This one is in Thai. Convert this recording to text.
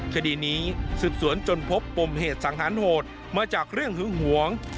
คดีนี้สืบสวนจนพบปมเหตุสังหารโหดมาจากเรื่องหึงหวง